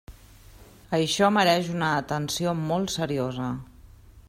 Això mereix una atenció molt seriosa.